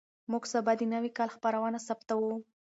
موږ سبا د نوي کال خپرونه ثبتوو.